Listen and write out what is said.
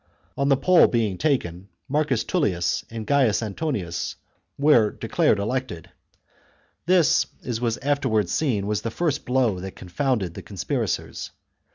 ^ On the poll being taken, Marcus Tullius and Gaius chap. Antonius were declared elected. This, as was after wards seen, was the first blow that confounded the conspirators.